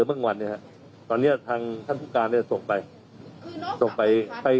คือคณ้ายตั้มเนี่ยตั้มข้อสังเกตว่ามันไม่ใช่ใบพัด